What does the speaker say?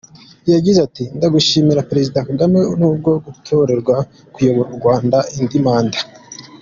Yagize ati “Ndagushimira Perezida Kagame ku bwo gutorerwa kuyobora u Rwanda indi manda.